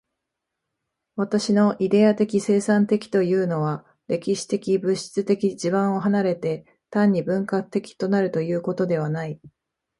私のイデヤ的生産的というのは、歴史的物質的地盤を離れて、単に文化的となるということではない。